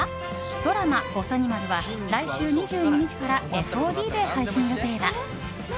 ドラマ「ぼさにまる」は来週２２日からＦＯＤで配信予定だ。